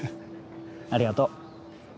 ありがとう。